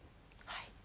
はい。